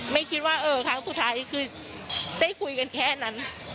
ไม่คิดว่าเออครั้งสุดท้ายคือได้คุยกันแค่นั้น